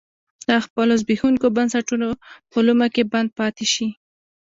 د خپلو زبېښونکو بنسټونو په لومه کې بند پاتې شي.